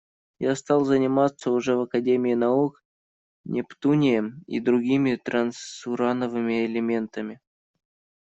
Я стал заниматься уже в Академии наук нептунием и другими трансурановыми элементами.